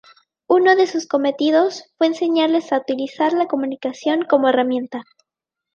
Uno de sus cometidos fue enseñarles a utilizar la comunicación como herramienta.